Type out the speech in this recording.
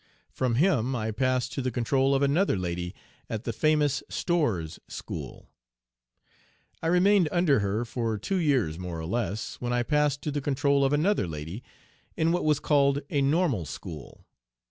From him I passed to the control of another lady at the famous "Storr's School." I remained under her for two years more or less, when I passed to the control of another lady in what was called a Normal School.